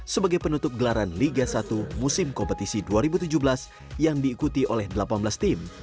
sebagai penutup gelaran liga satu musim kompetisi dua ribu tujuh belas yang diikuti oleh delapan belas tim